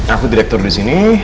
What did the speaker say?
aku direktur di sini